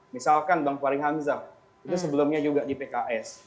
misalkan bang fahri hamzah itu sebelumnya juga di pks